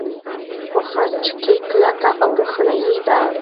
په خج کې کلکه او روښانه ده.